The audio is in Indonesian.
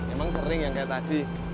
emang sering yang kayak tadi